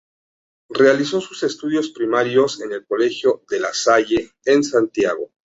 Realizó sus estudios primarios en el colegio De La Salle, en Santiago.